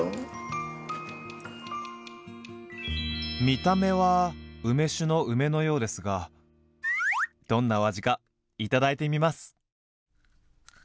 見た目は梅酒の梅のようですがどんなお味か頂いてみます！